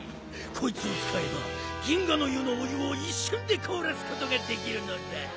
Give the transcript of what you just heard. こいつをつかえば銀河の湯のお湯をいっしゅんでこおらすことができるのだ。